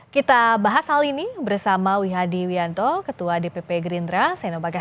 kita bahas hal ini bersama wihadi wianto ketua dpp gerindra seno bagas